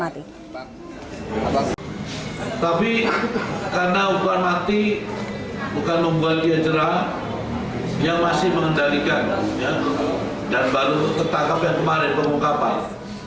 tapi karena hukuman mati bukan membuat dia jerah dia masih mengendalikan dan baru tertangkap yang kemarin pengungkapan